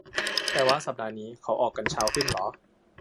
แปลว่าสัปดาห์นี้เขาออกกันเช้าขึ้นเหรอ